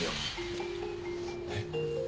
えっ？